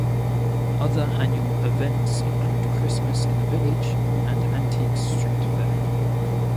Other annual events include Christmas in the Village, and Antique Street Fair.